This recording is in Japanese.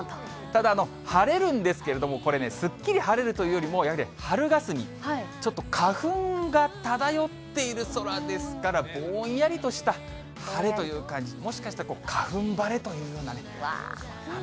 ただ、晴れるんですけれども、これ、すっきり晴れるというよりも、やはり春がすみ、ちょっと花粉が漂っている空ですから、ぼんやりとした晴れという感じ、もしかしたら花粉晴れというような。